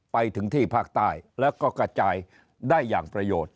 ไปถึงที่ภาคใต้แล้วก็กระจายได้อย่างประโยชน์